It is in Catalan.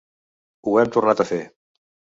Ho hem tornat a fer.